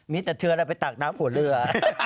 นี่จะเชื้อแล้วไปตากน้ำหัวเรือ